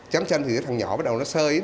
chém chân thì cái thằng nhỏ bắt đầu nó sơi